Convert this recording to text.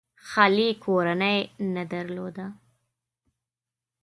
خالي کورنۍ نه درلوده.